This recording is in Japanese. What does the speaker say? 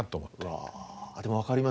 でもわかります。